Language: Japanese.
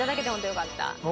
よかった。